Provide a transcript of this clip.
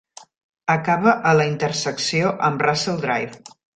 Acaba a la intersecció amb Russell Drive.